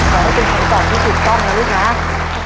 ขอให้เป็นคำตอบที่ถูกต้องนะลูกนะ